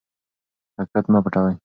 حقیقت مه پټوئ.